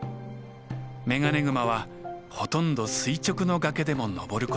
メガネグマはほとんど垂直の崖でも登ることができます。